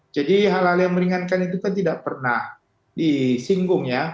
jadi hal hal yang meringankan itu kan tidak pernah disinggung ya